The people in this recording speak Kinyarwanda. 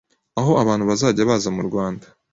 aho abantu bazajya baza mu Rwanda